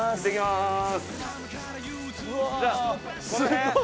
すごい！